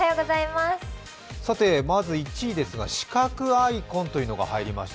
まず１位ですが、四角アイコンという言葉が入りました。